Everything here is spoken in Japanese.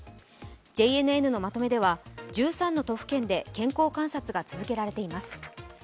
ＪＮＮのまとめでは１３の都府県で健康観察が続けられています。